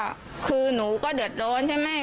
ความปลอดภัยของนายอภิรักษ์และครอบครัวด้วยซ้ำ